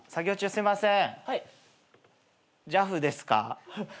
すいません。